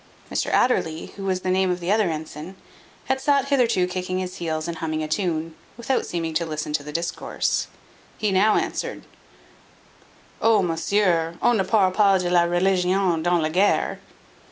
Mr Adderly, which was the name of the other ensign, had sat hitherto kicking his heels and humming a tune, without seeming to listen to the discourse; he now answered, "O, Monsieur, on ne parle pas de la religion dans la guerre."